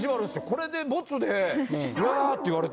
これでボツで「うわ」って言われても。